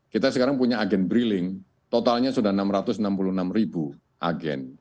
kita sekarang punya agen briling totalnya sudah enam ratus enam puluh enam ribu agen